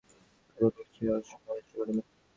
এ তো দেখছি অষ্টমাশ্চর্য ঘটনা!